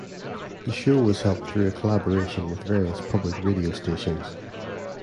The show was helped through a collaboration with various public radio stations.